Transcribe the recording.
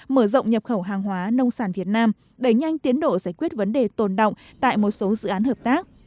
mở rộng nhập khẩu hàng hóa nông sản việt nam đẩy nhanh tiến độ giải quyết vấn đề tồn động tại một số dự án hợp tác